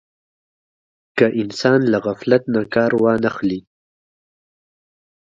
که انسان له غفلت نه کار وانه خلي.